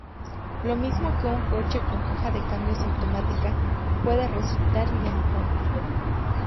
Lo mismo que un coche con caja de cambios automática, puede resultar limitante.